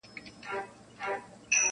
• چي سي طوق د غلامۍ د چا په غاړه -